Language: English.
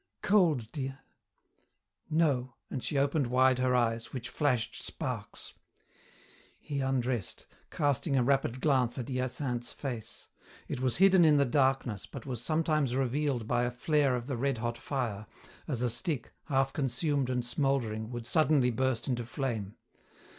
"Cold, dear?" "No," and she opened wide her eyes, which flashed sparks. He undressed, casting a rapid glance at Hyacinthe's face. It was hidden in the darkness, but was sometimes revealed by a flare of the red hot fire, as a stick, half consumed and smouldering, would suddenly burst into flame.